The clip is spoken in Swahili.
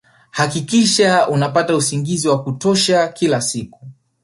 Hakikisha unapata usingizi wa kutosha kila siku